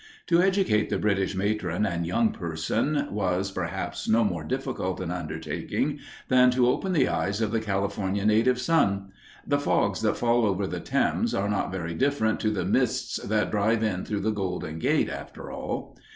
To educate the British Matron and Young Person was, perhaps, no more difficult an undertaking than to open the eyes of the California Native Son. The fogs that fall over the Thames are not very different to the mists that drive in through the Golden Gate, after all!